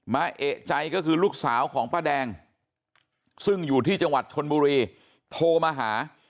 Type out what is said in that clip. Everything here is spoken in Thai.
เอกใจก็คือลูกสาวของป้าแดงซึ่งอยู่ที่จังหวัดชนบุรีโทรมาหา